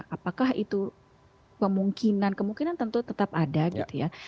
apakah itu kemungkinan kemungkinan tentu tetap ada gitu ya